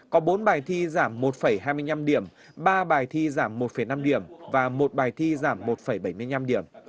có bốn bài thi giảm một hai mươi năm điểm ba bài thi giảm một năm điểm và một bài thi giảm một bảy mươi năm điểm